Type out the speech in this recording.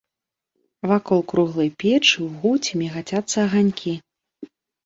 Вакол круглай печы ў гуце мігацяцца аганькі.